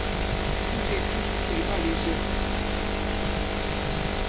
Fouiller tout est malaisé.